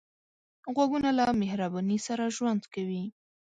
غوږونه له مهرباني سره ژوند کوي